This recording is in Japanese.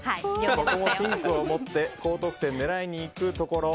ピンクを持って高得点を狙いにいくところ。